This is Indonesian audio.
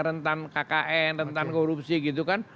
rentan kkn rentan korupsi gitu kan